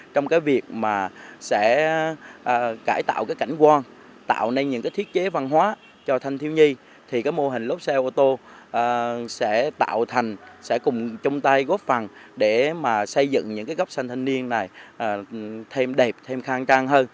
trong việc cải tạo cảnh quan tạo nên những thiết chế văn hóa cho thanh thiêu nhi mô hình lốt xe ô tô sẽ tạo thành sẽ cùng chung tay góp phần để xây dựng những gốc xanh thanh niên này thêm đẹp thêm khang trang